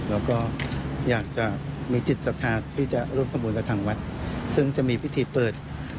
แล้วก็อยากจะมีจิตศรัทธาที่จะร่วมทำบุญกับทางวัดซึ่งจะมีพิธีเปิด